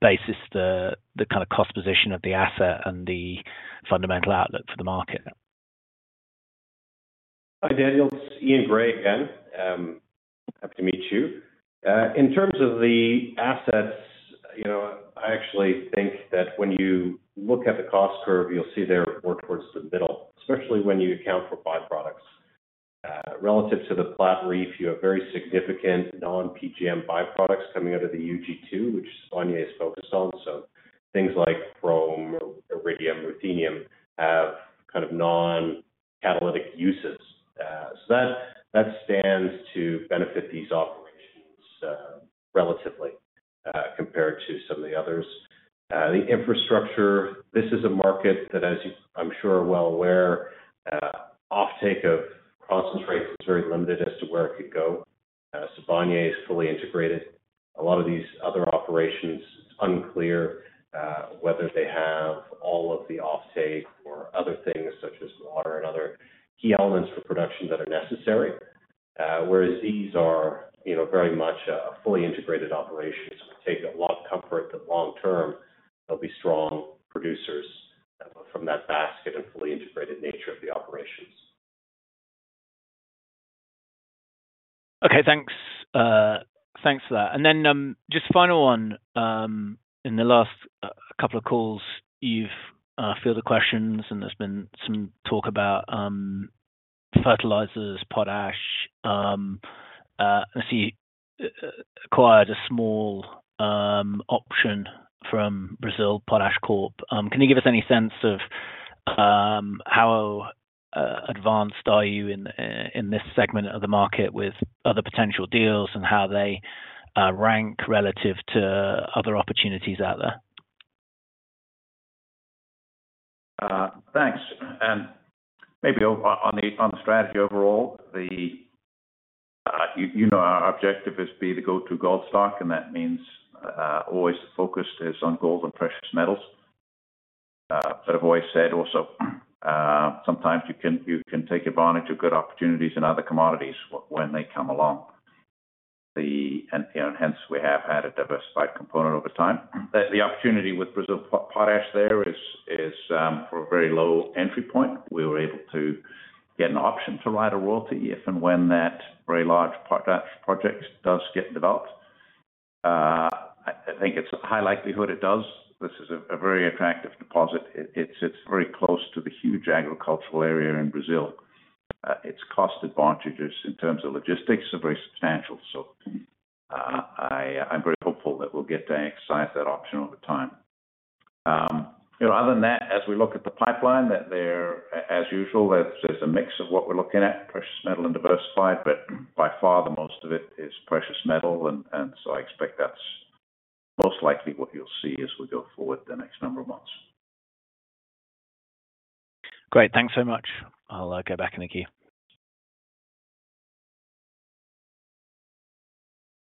basis, the kind of cost position of the asset, and the fundamental outlook for the market? Hi, Daniel. It's Eaun Gray again. Happy to meet you. In terms of the assets, I actually think that when you look at the cost curve, you'll see they're more towards the middle, especially when you account for byproducts. Relative to the Platreef, you have very significant non-PGM byproducts coming out of the UG2, which Sibanye is focused on. So things like chrome, iridium, ruthenium have kind of non-catalytic uses. That stands to benefit these operations relatively compared to some of the others. The infrastructure, this is a market that, as you I'm sure are well aware, offtake of concentrates is very limited as to where it could go. Sibanye is fully integrated. A lot of these other operations, it's unclear whether they have all of the offtake or other things such as water and other key elements for production that are necessary. Whereas these are very much a fully integrated operation. We take a lot of comfort that long-term, they'll be strong producers from that basket and fully integrated nature of the operations. Okay. Thanks for that. Just final one. In the last couple of calls, you've fielded the questions, and there's been some talk about fertilizers, potash. I see you acquired a small option from Brazil Potash Corp. Can you give us any sense of how advanced are you in this segment of the market with other potential deals and how they rank relative to other opportunities out there? Thanks. Maybe on the strategy overall, you know our objective is to be the go-to gold stock. That means always the focus is on gold and precious metals. I have always said also, sometimes you can take advantage of good opportunities in other commodities when they come along. Hence, we have had a diversified component over time. The opportunity with Brazil Potash there is for a very low entry point. We were able to get an option to write a royalty if and when that very large potash project does get developed. I think it is a high likelihood it does. This is a very attractive deposit. It is very close to the huge agricultural area in Brazil. Its cost advantages in terms of logistics are very substantial. I am very hopeful that we will get to excite that option over time. Other than that, as we look at the pipeline, as usual, there is a mix of what we are looking at, precious metal and diversified. By far, most of it is precious metal. I expect that is most likely what you will see as we go forward the next number of months. Great. Thanks so much. I will go back in a gear.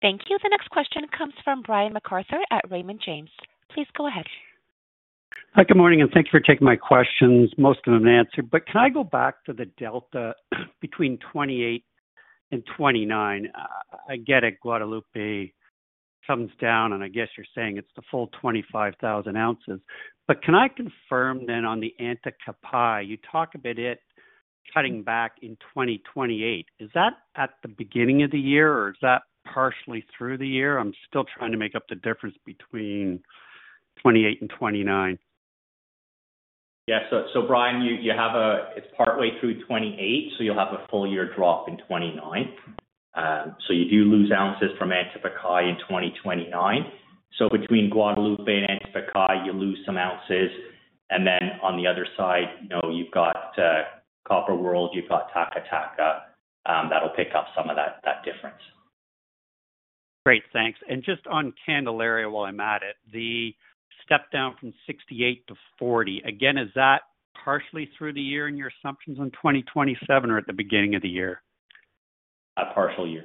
Thank you. The next question comes from Brian McArthur at Raymond James. Please go ahead. Hi, good morning. Thank you for taking my questions. Most of them answered. Can I go back to the delta between 2028 and 2029? I get it. Guadalupe comes down. I guess you are saying it is the full 25,000 ounces. Can I confirm then on the Antapaccay, you talk about it cutting back in 2028. Is that at the beginning of the year, or is that partially through the year? I'm still trying to make up the difference between 2028 and 2029. Yeah. So Brian, it's partway through 2028. You'll have a full year drop in 2029. You do lose ounces from Antapaccay in 2029. Between Guadalupe and Antapaccay, you lose some ounces. On the other side, you've got Copper World, you've got Taka Taka. That'll pick up some of that difference. Great. Thanks. Just on Candelaria, while I'm at it, the step down from 68 to 40, again, is that partially through the year in your assumptions in 2027 or at the beginning of the year? A partial year.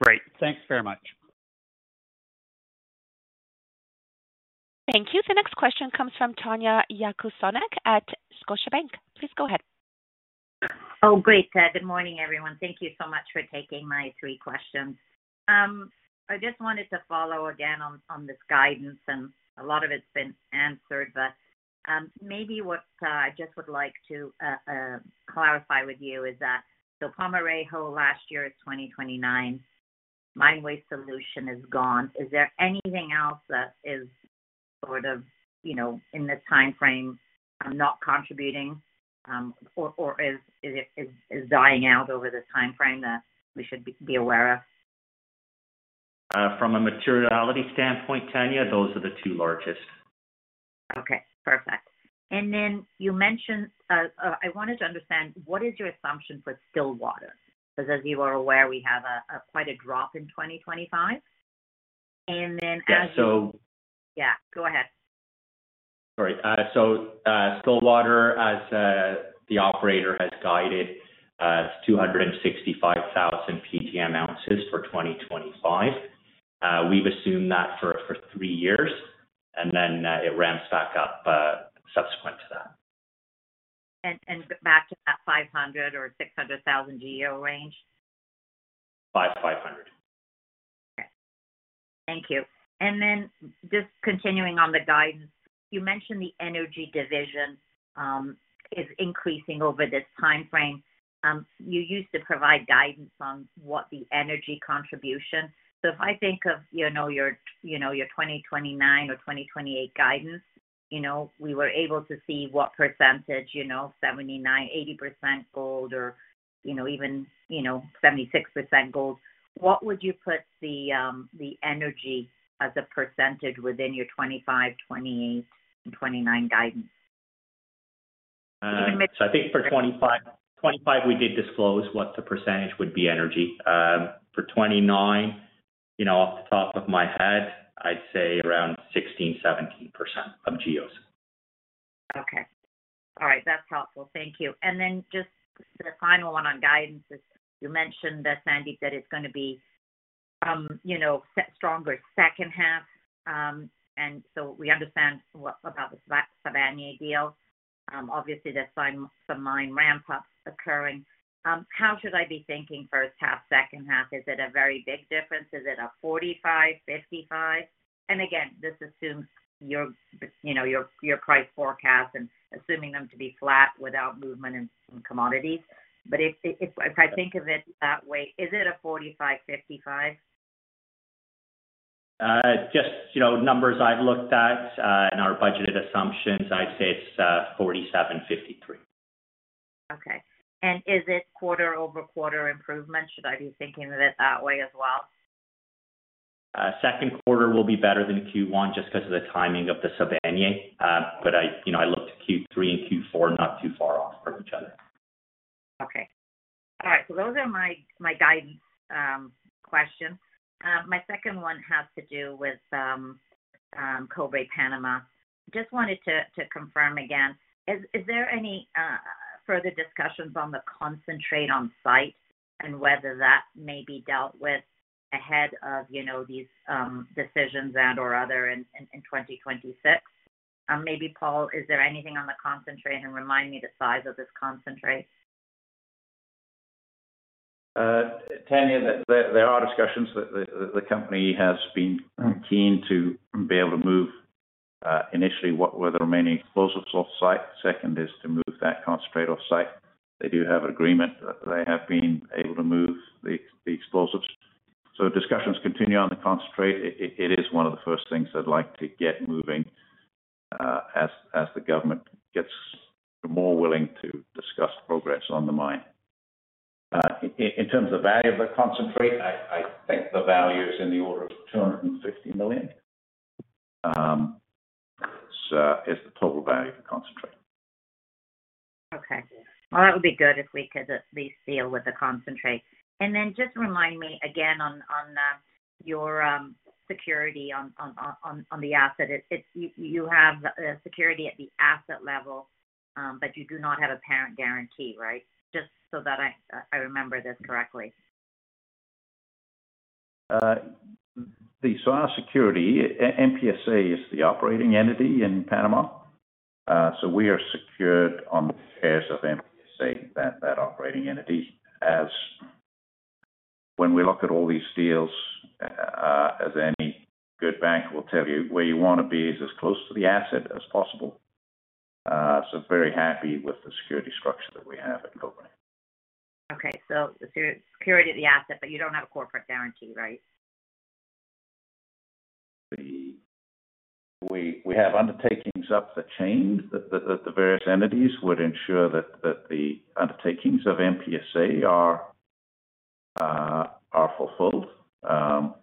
Great. Thanks very much. Thank you. The next question comes from Tanya Jakusconek at Scotiabank. Please go ahead. Oh, great. Good morning, everyone. Thank you so much for taking my three questions. I just wanted to follow again on this guidance. A lot of it's been answered. What I just would like to clarify with you is that Palmarejo last year is 2029. Mine Waste Solutions is gone. Is there anything else that is sort of in the timeframe not contributing or is dying out over the timeframe that we should be aware of? From a materiality standpoint, Tanya, those are the two largest. Okay. Perfect. You mentioned I wanted to understand, what is your assumption for Stillwater? Because as you are aware, we have quite a drop in 2025. Yeah. Go ahead. Sorry. Stillwater, as the operator has guided, it's 265,000 PGM ounces for 2025. We've assumed that for three years. Then it ramps back up subsequent to that. Back to that 500,000 or 600,000 GEO range? 500,000. Okay. Thank you. Continuing on the guidance, you mentioned the energy division is increasing over this timeframe. You used to provide guidance on what the energy contribution is. If I think of your 2029 or 2028 guidance, we were able to see what percentage, 79%, 80% gold, or even 76% gold. What would you put the energy as a percentage within your 2025, 2028, and 2029 guidance? I think for 2025, we did disclose what the percentage would be energy. For 2029, off the top of my head, I'd say around 16%, 17% of GEOs. Okay. All right. That's helpful. Thank you. Just the final one on guidance is you mentioned that, Sandip, that it is going to be a stronger second half. We understand about the Sibanye deal. Obviously, there are some mine ramp-ups occurring. How should I be thinking first half, second half? Is it a very big difference? Is it a 45-55? This assumes your price forecast and assuming them to be flat without movement in commodities. If I think of it that way, is it a 45-55? Just numbers I have looked at in our budgeted assumptions, I would say it is 47-53. Okay. Is it quarter-over-quarter improvement? Should I be thinking of it that way as well? Second quarter will be better than Q1 just because of the timing of the Sibanye. I looked at Q3 and Q4 not too far off from each other. Okay. All right. Those are my guidance questions. My second one has to do with Cobre Panama. Just wanted to confirm again, is there any further discussions on the concentrate on site and whether that may be dealt with ahead of these decisions and/or other in 2026? Maybe Paul, is there anything on the concentrate and remind me the size of this concentrate? Tanya, there are discussions. The company has been keen to be able to move initially what were the remaining explosives off-site. Second is to move that concentrate off-site. They do have an agreement that they have been able to move the explosives. Discussions continue on the concentrate. It is one of the first things I'd like to get moving as the government gets more willing to discuss progress on the mine. In terms of the value of the concentrate, I think the value is in the order of $250 million. It is the total value of the concentrate. Okay. That would be good if we could at least deal with the concentrate. Just remind me again on your security on the asset. You have security at the asset level, but you do not have a parent guarantee, right? Just so that I remember this correctly. Our security, MPSA is the operating entity in Panama. We are secured on the shares of MPSA, that operating entity. When we look at all these deals, as any good bank will tell you, where you want to be is as close to the asset as possible. Very happy with the security structure that we have at Cobre. Okay. Security of the asset, but you do not have a corporate guarantee, right? We have undertakings up the chain. The various entities would ensure that the undertakings of MPSA are fulfilled,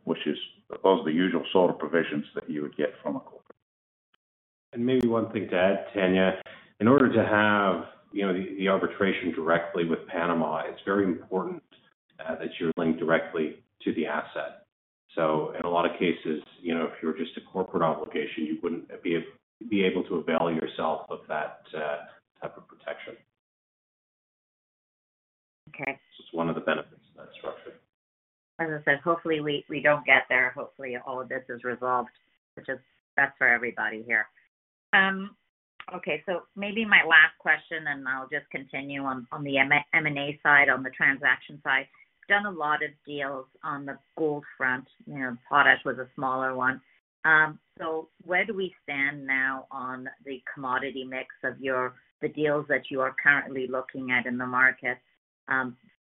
which is those are the usual sort of provisions that you would get from a corporate. Maybe one thing to add, Tanya, in order to have the arbitration directly with Panama, it is very important that you are linked directly to the asset. In a lot of cases, if you were just a corporate obligation, you would not be able to avail yourself of that type of protection. It is one of the benefits of that structure. As I said, hopefully, we do not get there. Hopefully, all of this is resolved. That is for everybody here. Okay. Maybe my last question, and I will just continue on the M&A side, on the transaction side. Done a lot of deals on the gold front. Potash was a smaller one. Where do we stand now on the commodity mix of the deals that you are currently looking at in the market?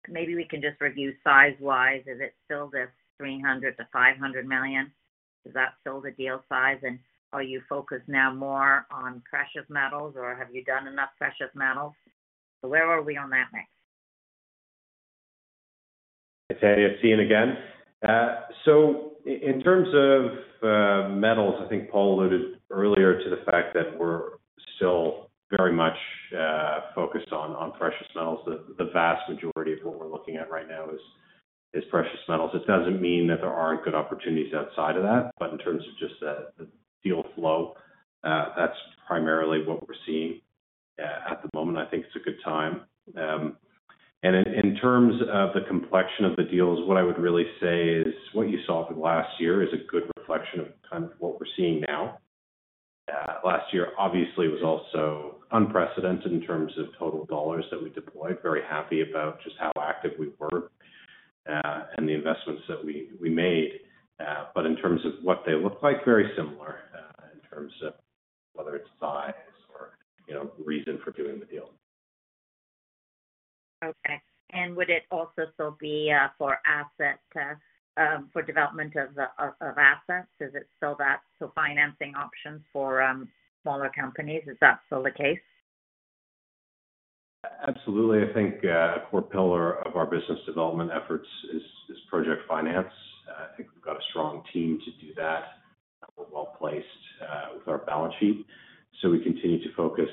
Maybe we can just review size-wise. Is it still this $300 million-$500 million? Is that still the deal size? Are you focused now more on precious metals, or have you done enough precious metals? Where are we on that mix? Tanya, its Eaun again. In terms of metals, I think Paul alluded earlier to the fact that we're still very much focused on precious metals. The vast majority of what we're looking at right now is precious metals. It does not mean that there are not good opportunities outside of that. In terms of just the deal flow, that is primarily what we're seeing at the moment. I think it's a good time. In terms of the complexion of the deals, what I would really say is what you saw last year is a good reflection of kind of what we are seeing now. Last year, obviously, was also unprecedented in terms of total dollars that we deployed. Very happy about just how active we were and the investments that we made. In terms of what they look like, very similar in terms of whether it is size or reason for doing the deal. Okay. Would it also still be for asset for development of assets? Is it still that? Financing options for smaller companies. Is that still the case? Absolutely. I think a core pillar of our business development efforts is project finance. I think we have got a strong team to do that. We are well placed with our balance sheet. We continue to focus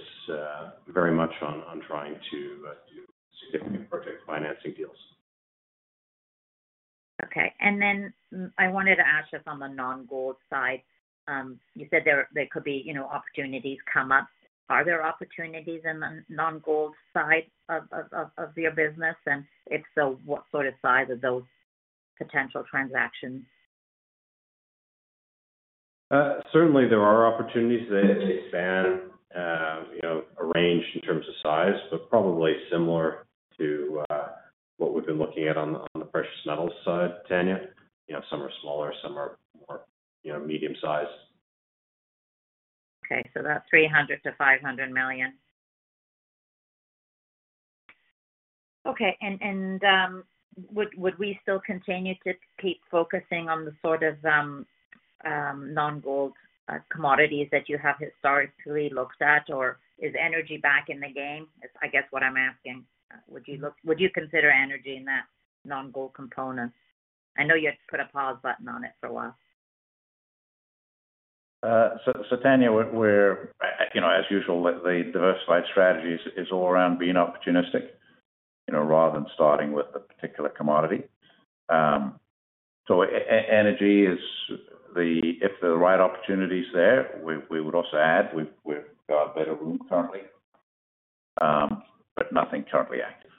very much on trying to do significant project financing deals. Okay. I wanted to ask if on the non-gold side, you said there could be opportunities come up. Are there opportunities in the non-gold side of your business? If so, what sort of size are those potential transactions? Certainly, there are opportunities that expand a range in terms of size, but probably similar to what we've been looking at on the precious metals side, Tanya. Some are smaller. Some are more medium-sized. Okay. That's $300 million-$500 million. Would we still continue to keep focusing on the sort of non-gold commodities that you have historically looked at? Or is energy back in the game? I guess what I'm asking. Would you consider energy in that non-gold component? I know you had put a pause button on it for a while. Tanya, as usual, the diversified strategy is all around being opportunistic rather than starting with a particular commodity. Energy is, if the right opportunity's there, we would also add. We've got a better room currently, but nothing currently active.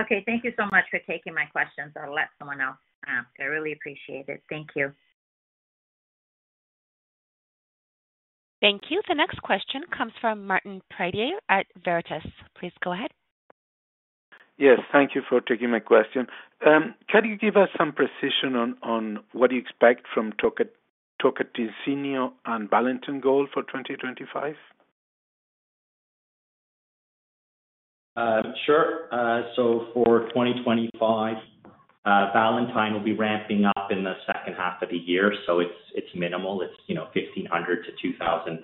Okay. Thank you so much for taking my questions. I'll let someone else ask. I really appreciate it. Thank you. Thank you. The next question comes from Martin Pradier at Veritas. Please go ahead. Yes. Thank you for taking my question. Can you give us some precision on what do you expect from Tocantinzinho and Valentine Gold for 2025? Sure. For 2025, Valentine will be ramping up in the second half of the year. It's minimal. It's 1,500-2,000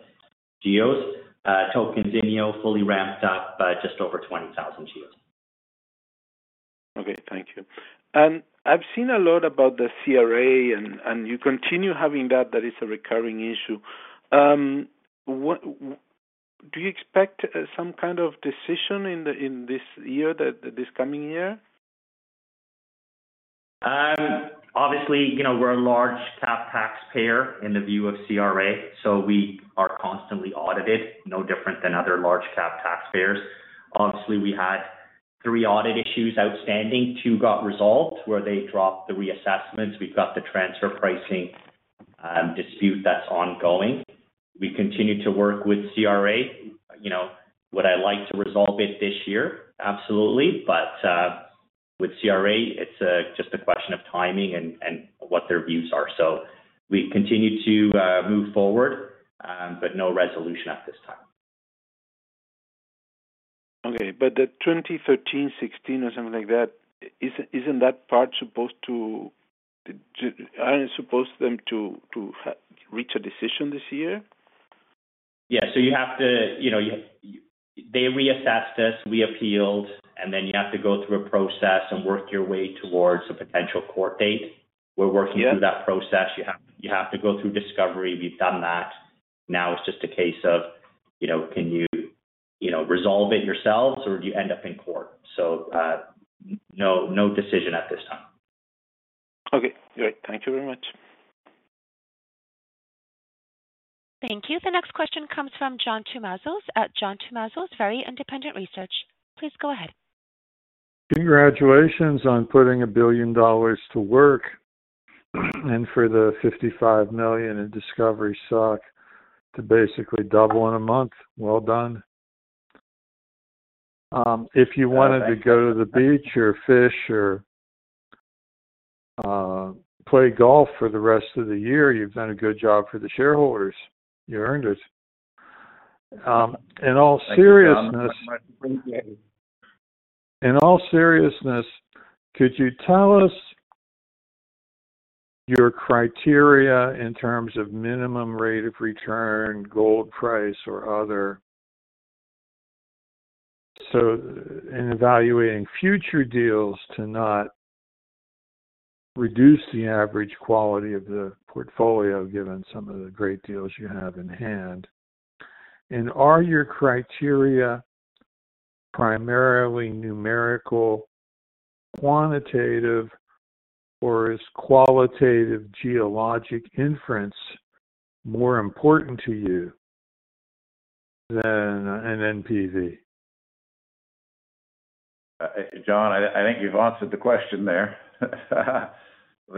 GEOs. Tocantinzinho fully ramped up just over 20,000 GEOs. Okay. Thank you. I've seen a lot about the CRA, and you continue having that. That is a recurring issue. Do you expect some kind of decision in this year, this coming year? Obviously, we're a large-cap taxpayer in the view of CRA. So we are constantly audited, no different than other large-cap taxpayers. Obviously, we had three audit issues outstanding. Two got resolved where they dropped the reassessments. We've got the transfer pricing dispute that's ongoing. We continue to work with CRA. Would I like to resolve it this year? Absolutely. With CRA, it's just a question of timing and what their views are. We continue to move forward, but no resolution at this time. Okay. The 2013, 2016, or something like that, isn't that part supposed to, aren't it supposed for them to reach a decision this year? Yeah. You have to, they reassessed us, reappealed, and then you have to go through a process and work your way towards a potential court date. We're working through that process. You have to go through discovery. We've done that. Now it's just a case of, can you resolve it yourselves, or do you end up in court? No decision at this time. Okay. Great. Thank you very much. Thank you. The next question comes from John Tumazos at John Tumazos Very Independent Research. Please go ahead. Congratulations on putting a billion dollars to work and for the $55 million in Discovery stock to basically double in a month. Well done. If you wanted to go to the beach or fish or play golf for the rest of the year, you've done a good job for the shareholders. You earned it. In all seriousness, could you tell us your criteria in terms of minimum rate of return, gold price, or other in evaluating future deals to not reduce the average quality of the portfolio given some of the great deals you have in hand? Are your criteria primarily numerical, quantitative, or is qualitative geologic inference more important to you than an NPV? John, I think you've answered the question there. At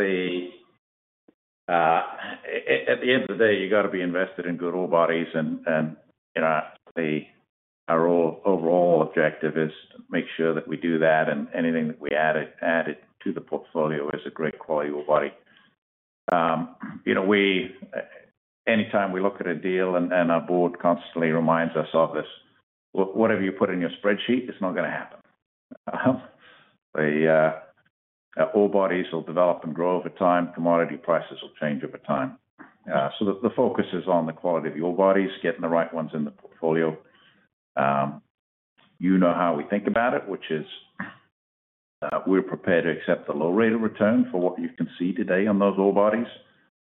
the end of the day, you've got to be invested in good old bodies. Our overall objective is to make sure that we do that. Anything that we added to the portfolio is a great quality old body. Anytime we look at a deal, and our board constantly reminds us of this, whatever you put in your spreadsheet, it's not going to happen. The old bodies will develop and grow over time. Commodity prices will change over time. The focus is on the quality of the ore bodies, getting the right ones in the portfolio. You know how we think about it, which is we're prepared to accept the low rate of return for what you can see today on those ore bodies.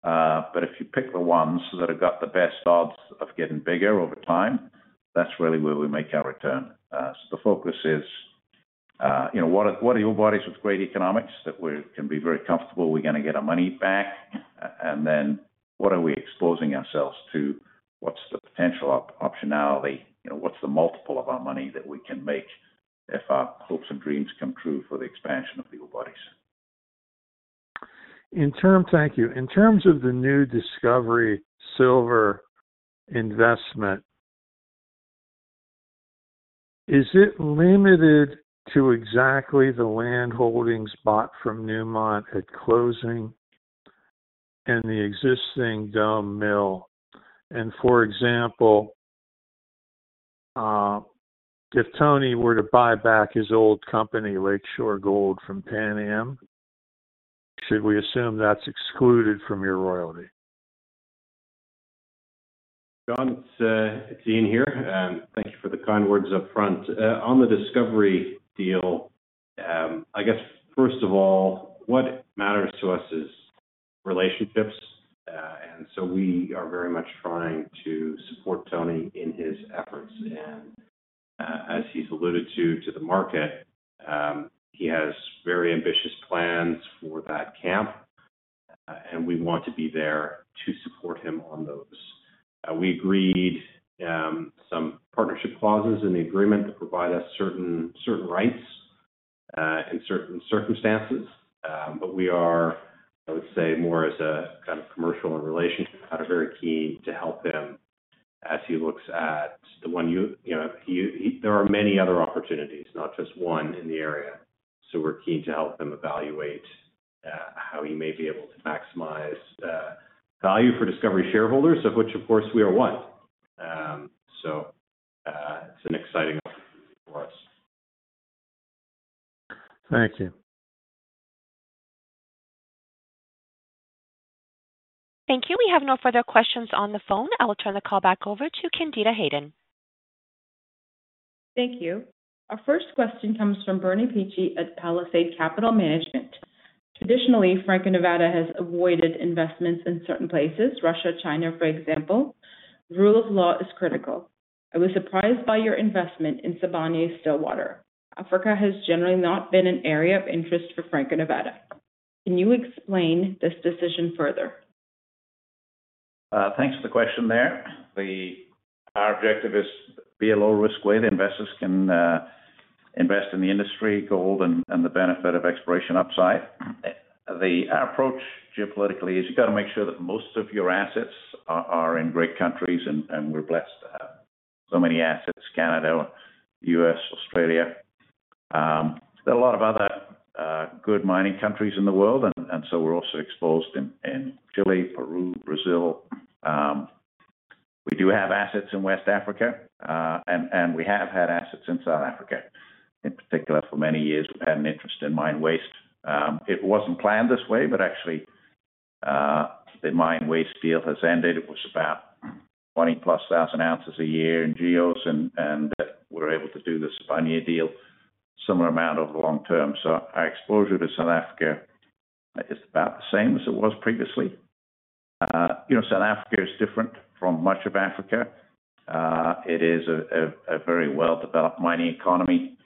If you pick the ones that have got the best odds of getting bigger over time, that's really where we make our return. The focus is, what are ore bodies with great economics that can be very comfortable? We're going to get our money back. What are we exposing ourselves to? What's the potential optionality? What's the multiple of our money that we can make if our hopes and dreams come true for the expansion of the ore bodies? Thank you. In terms of the new Discovery Silver investment, is it limited to exactly the land holdings bought from Newmont at closing and the existing Dome mill? For example, if Tony were to buy back his old company, Lakeshore Gold, from Pan American, should we assume that's excluded from your royalty? John, it's Eaun here. Thank you for the kind words upfront. On the Discovery deal, I guess, first of all, what matters to us is relationships. We are very much trying to support Tony in his efforts. As he's alluded to, to the market, he has very ambitious plans for that camp. We want to be there to support him on those. We agreed some partnership clauses in the agreement to provide us certain rights in certain circumstances. We are, I would say, more as a kind of commercial relationship, not very keen to help him as he looks at the one you. There are many other opportunities, not just one in the area. We are keen to help him evaluate how he may be able to maximize value for Discovery shareholders, of which, of course, we are one. It is an exciting opportunity for us. Thank you. Thank you. We have no further questions on the phone. I'll turn the call back over to Candida Hayden. Thank you. Our first question comes from Bernie Peachy at Palisade Capital Management. Traditionally, Franco-Nevada has avoided investments in certain places, Russia, China, for example. Rule of law is critical. I was surprised by your investment in Sibanye-Stillwater. Africa has generally not been an area of interest for Franco-Nevada. Can you explain this decision further? Thanks for the question there. Our objective is to be a low-risk way that investors can invest in the industry, gold, and the benefit of exploration upside. Our approach geopolitically is you've got to make sure that most of your assets are in great countries. We're blessed to have so many assets: Canada, U.S., Australia. There are a lot of other gold mining countries in the world. We're also exposed in Chile, Peru, Brazil. We do have assets in West Africa. We have had assets in South Africa. In particular, for many years, we've had an interest in mine waste. It wasn't planned this way, but actually, the mine waste deal has ended. It was about 20 plus thousand ounces a year in GEOs. We're able to do the Sibanye deal, similar amount over the long term. Our exposure to South Africa is about the same as it was previously. South Africa is different from much of Africa. It is a very well-developed mining economy.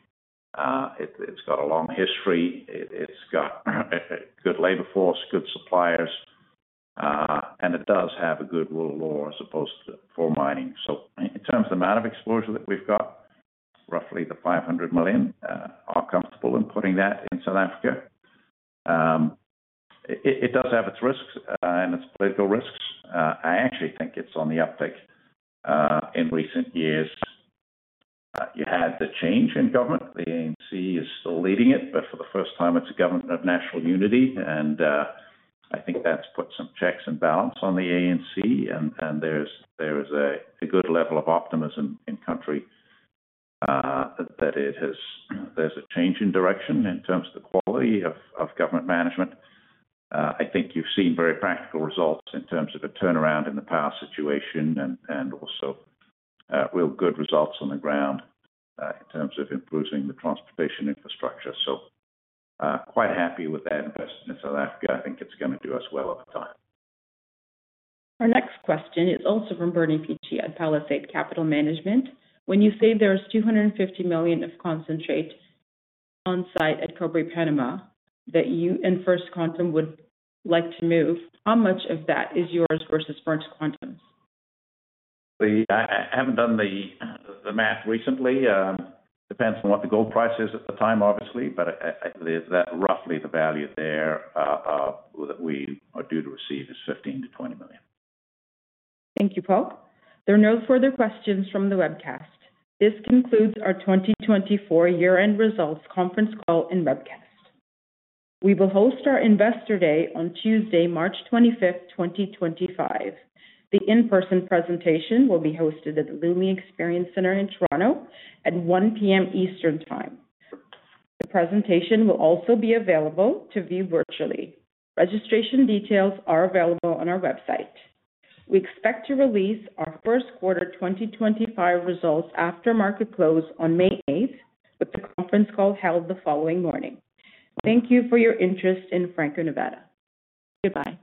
It's got a long history. It's got a good labor force, good suppliers. It does have a good rule of law as opposed to foreign mining. In terms of the amount of exposure that we've got, roughly the $500 million, are comfortable in putting that in South Africa. It does have its risks and its political risks. I actually think it's on the uptick in recent years. You had the change in government. The ANC is still leading it. For the first time, it's a government of national unity. I think that's put some checks and balance on the ANC. There is a good level of optimism in country that there's a change in direction in terms of the quality of government management. I think you've seen very practical results in terms of a turnaround in the power situation and also real good results on the ground in terms of improving the transportation infrastructure. Quite happy with that investment in South Africa. I think it's going to do us well over time. Our next question is also from Bernie Peachy at Palisade Capital Management. When you say there is $250 million of concentrate on site at Cobre Panama that you and First Quantum would like to move, how much of that is yours versus First Quantum's? I haven't done the math recently. It depends on what the gold price is at the time, obviously. Roughly the value there that we are due to receive is $15 million-$20 million. Thank you, Paul. There are no further questions from the webcast. This concludes our 2024 year-end results conference call and webcast. We will host our Investor Day on Tuesday, March 25th, 2025. The in-person presentation will be hosted at the Loomi Experience Center in Toronto at 1:00 P.M. Eastern Time. The presentation will also be available to view virtually. Registration details are available on our website. We expect to release our first quarter 2025 results after market close on May 8th, with the conference call held the following morning. Thank you for your interest in Franco-Nevada. Goodbye.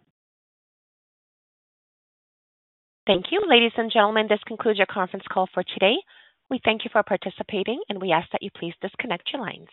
Thank you. Ladies and gentlemen, this concludes your conference call for today. We thank you for participating, and we ask that you please disconnect your lines.